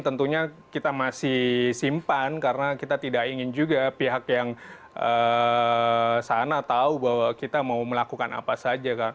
tentunya kita masih simpan karena kita tidak ingin juga pihak yang sana tahu bahwa kita mau melakukan apa saja